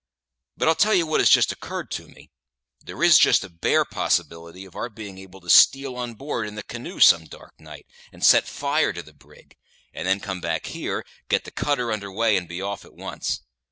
But I'll tell you what has just occurred to me. There is just a bare possibility of our being able to steal on board in the canoe some dark night, and set fire to the brig; and then come back here, get the cutter under weigh, and be off at once.